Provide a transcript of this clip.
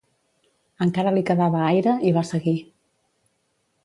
Encara li quedava aire i va seguir.